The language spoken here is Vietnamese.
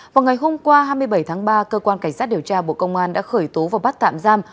vào ngày hôm qua hai mươi bảy tháng ba cơ quan cảnh sát điều tra bộ công an đã khởi tố và bắt tạm giam